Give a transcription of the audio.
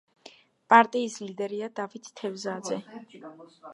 პარტიის ლიდერია დავით თევზაძე.